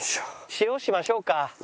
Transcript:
塩しましょうか。